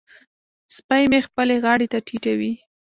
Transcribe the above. سپی مې خپلې غاړې ته ټيټوي.